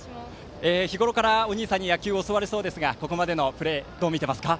日ごろから、お兄さんに野球を教わるそうですがここまでのプレーどう見ていますか？